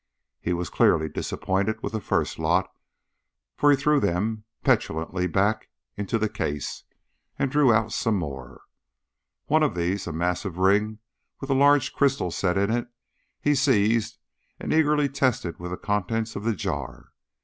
He was clearly disappointed with the first lot, for he threw them petulantly back into the case, and drew out some more. One of these, a massive ring with a large crystal set in it, he seized and eagerly tested with the contents of the jar.